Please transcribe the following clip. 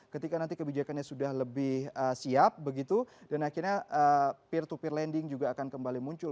ketika nanti kebijakannya sudah lebih siap begitu dan akhirnya peer to peer lending juga akan kembali muncul